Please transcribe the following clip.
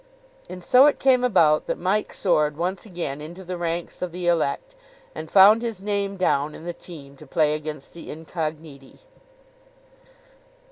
And so it came about that Mike soared once again into the ranks of the elect, and found his name down in the team to play against the Incogniti.